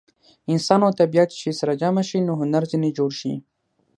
انسان او طبیعت چې سره جمع شي نو هنر ځینې جوړ شي.